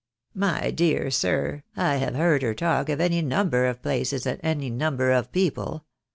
"My dear sir, I have heard her talk of any number of places, and any number of people.